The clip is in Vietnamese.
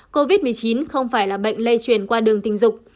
covid một mươi chín không phải là bệnh lây truyền qua đường tình dục